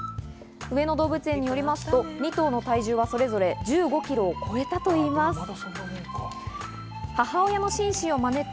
上野動物園によりますと、２頭の体重はそれぞれ１５キロを超えたといいます。